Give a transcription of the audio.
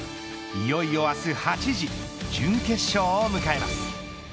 いよいよ明日８時準決勝を迎えます。